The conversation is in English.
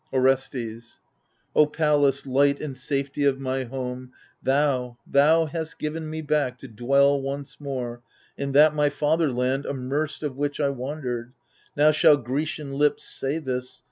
Orestes Pallas, light and safety of my home, Thou, thou hast given me back to dwell once more In that my fatherland, amerced of which 1 wandered ; now shall Grecian lips say this.